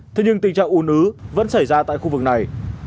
thế nhưng tình trạng un ứ vẫn xảy ra tại khu vực này